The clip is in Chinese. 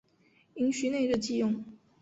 阴虚内热忌用。